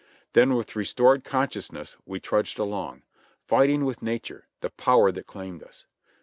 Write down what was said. Then with restored consciousness we trudged along, fighting with Nature, the power that claimed us.